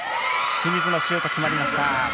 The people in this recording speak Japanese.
清水のシュート決まりました。